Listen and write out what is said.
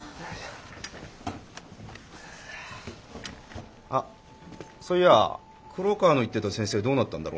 あっそういや黒川の言ってた先生どうなったんだろうな。